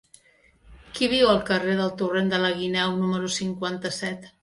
Qui viu al carrer del Torrent de la Guineu número cinquanta-set?